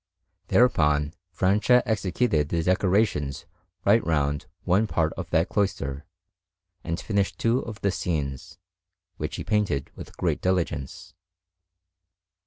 Thereupon Francia executed the decorations right round one part of that cloister, and finished two of the scenes, which he painted with great diligence.